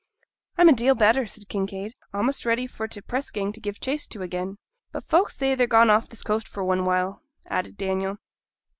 'I'm a deal better,' said Kinraid; 'a'most ready for t' press gang to give chase to again.' 'But folk say they're gone off this coast for one while,' added Daniel.